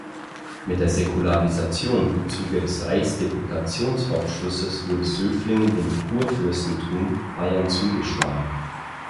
Mit der Säkularisation im Zuge des Reichsdeputationshauptschlusses wurde Söflingen dem Kurfürstentum Bayern zugeschlagen.